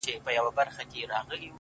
بدل کړيدی _